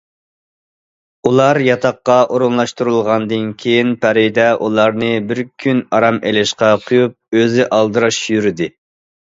ئۇلار ياتاققا ئورۇنلاشتۇرۇلغاندىن كېيىن، پەرىدە ئۇلارنى بىر كۈن ئارام ئېلىشقا قويۇپ ئۆزى ئالدىراش يۈردى.